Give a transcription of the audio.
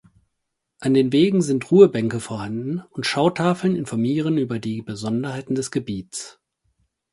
An den Wegen sind Ruhebänke vorhanden und Schautafeln informieren über die Besonderheiten des Gebiets.